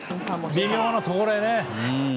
微妙なところへね。